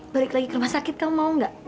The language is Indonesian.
balik lagi ke rumah sakit kamu mau nggak